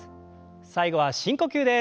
最後は深呼吸です。